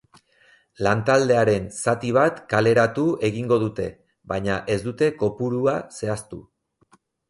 Lantaldearen zati bat kaleratu egingo dute, baina ez dute kopurua zehaztu.